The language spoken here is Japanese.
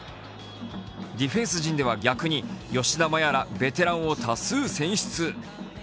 ディフェンス陣では逆に吉田麻也らベテランを多数選出。